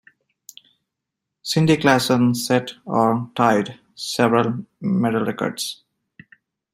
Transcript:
Cindy Klassen set or tied several medal records.